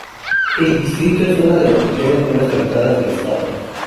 El distrito es una de las regiones menos habitadas del estado.